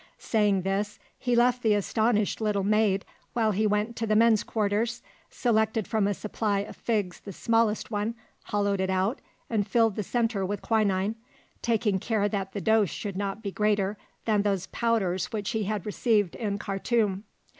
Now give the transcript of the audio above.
Saying this, he left the astonished little maid while he went to the "men's quarters," selected from a supply of figs the smallest one, hollowed it out, and filled the center with quinine, taking care that the dose should not be greater than those powders which he had received in Khartûm.